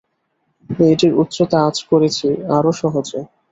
মেয়েটির উচ্চতা আঁচ করেছি আরও সহজে।